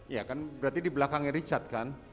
ya kan berarti di belakangnya richard kan